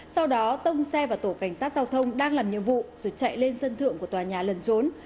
sau đó tông xe vào tổ cảnh sát giao thông đang làm nhiệm vụ rồi chạy lên sân thượng của tòa nhà lẩn trốn